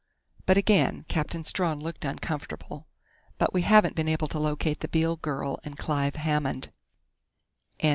But again Captain Strawn looked uncomfortable. "But we haven't been able to locate the Beale girl and Clive Hammond."